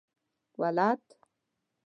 ولد؟